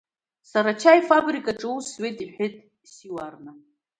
Сара ачаи фабрикаҿы аус зуеит, — иҳәеит Сиуарна.